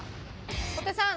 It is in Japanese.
小手さん